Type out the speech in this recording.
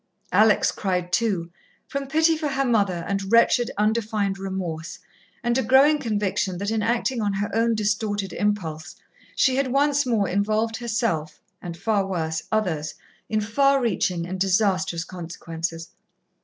Alex cried too, from pity for her mother and wretched, undefined remorse, and a growing conviction that in acting on her own distorted impulse she had once more involved herself, and, far worse, others, in far reaching and disastrous consequences.